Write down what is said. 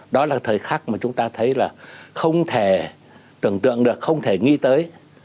đó là thời khắc mà chúng ta thấy là không thể tưởng tượng được không thể nghĩ tới